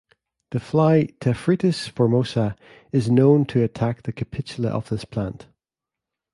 The fly "Tephritis formosa" is known to attack the capitula of this plant.